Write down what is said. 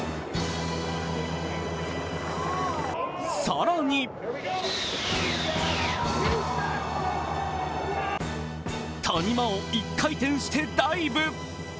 更に谷間を１回転してダイブ。